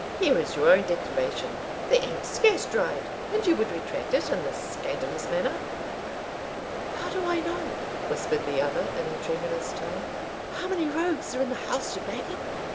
Here is your own declaration the ink scarce dried and you would retract it in this scandalous manner!" "How do I know," whispered the other in a tremulous tone, "how many rogues are in the house to back him?